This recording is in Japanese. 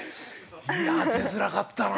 いや出づらかったな。